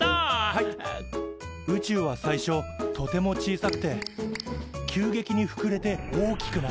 はい宇宙は最初とても小さくて急激にふくれて大きくなった。